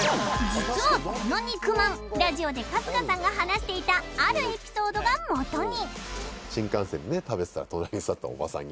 実はこの肉まんラジオで春日さんが話していたあるエピソードが元に